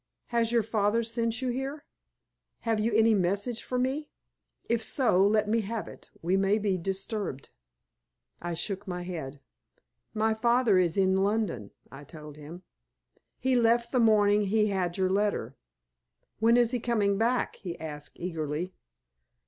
Has your father sent you here? Have you any message for me? If so, let me have it, we may be disturbed." I shook my head. "My father is in London," I told him. "He left the morning he had your letter." "When is he coming back?" he asked, eagerly.